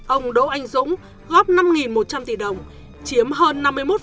ông đỗ anh dũng góp năm một trăm linh tỷ đồng chiếm hơn năm mươi một